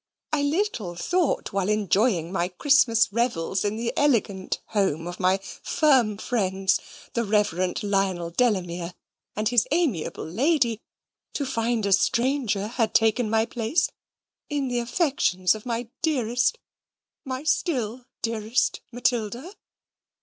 I little thought, while enjoying my Christmas revels in the elegant home of my firm friends, the Reverend Lionel Delamere and his amiable lady, to find a stranger had taken my place in the affections of my dearest, my still dearest Matilda!"